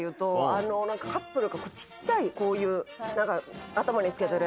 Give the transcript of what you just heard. カップルがちっちゃいこういう頭に着けてるやつ。